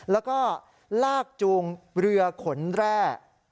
แล้วก็ลากจูงเรือขนแร่